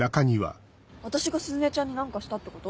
私が鈴音ちゃんに何かしたってこと？